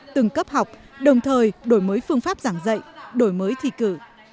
từng cấp học đồng thời đổi mới phương pháp giảng dạy đổi mới thi cử